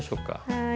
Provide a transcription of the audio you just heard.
はい。